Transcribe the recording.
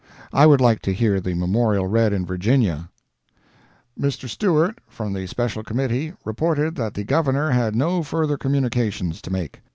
I would like to hear the memorial read in Virginia. Mr. Stewart, from the special Committee, reported that the Governor had no further communications to make.